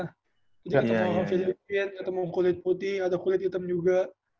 jadi ketemu orang filipina ketemu kulit putih ada kulit hitam juga